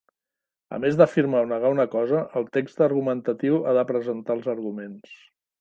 A més d'afirmar o negar una cosa, el text argumentatiu ha de presentar els arguments.